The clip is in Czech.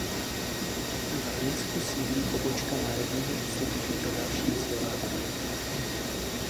V Hlinsku sídlí pobočka Národního institutu pro další vzdělávání.